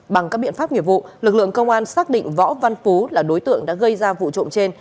bằng các biện pháp nghiệp vụ lực lượng công an xác định võ văn phú là đối tượng đã gây ra vụ trộm trên